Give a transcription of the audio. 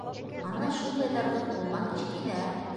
Ана шундайҙарҙың ҡулынан эш килә.